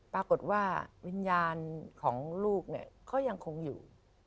ปรากฏว่าวิญญาณของลูกเนี่ยก็ยังคงอยู่